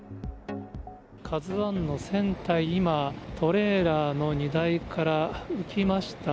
ＫＡＺＵＩの船体、今、トレーラーの荷台から浮きました。